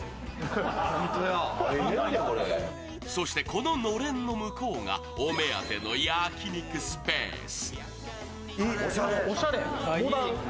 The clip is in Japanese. そしてこののれんの向こうがお目当ての焼き肉スペース。